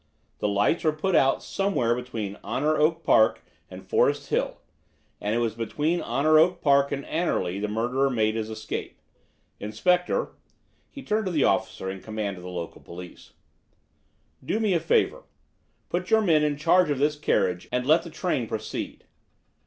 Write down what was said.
"The lights were put out somewhere between Honor Oak Park and Forest Hill, and it was between Honor Oak Park and Anerley the murderer made his escape. Inspector" he turned to the officer in command of the local police "do me a favour. Put your men in charge of this carriage, and let the train proceed.